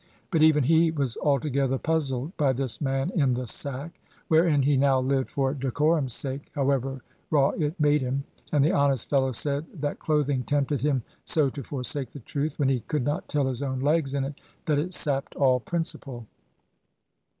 But even he was altogether puzzled by this man in the sack, wherein he now lived for decorum's sake, however raw it made him. And the honest fellow said that clothing tempted him so to forsake the truth, when he could not tell his own legs in it, that it sapped all principle.